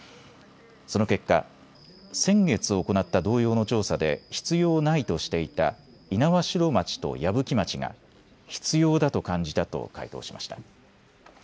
その結果、先月行った同様の調査で必要ないとしていた猪苗代町と矢吹町が必要だと感じたと回答しました。